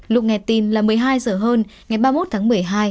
lúc nghe tin là một mươi hai h hơn ngày ba mươi một tháng một mươi hai